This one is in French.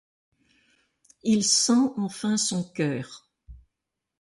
Il sent enfin son cœur !